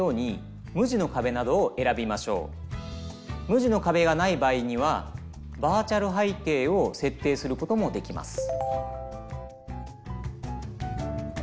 無地のかべがない場合にはバーチャル背景を設定することもできます。